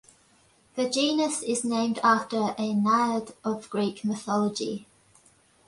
The genus is named after a naiad of Greek mythology.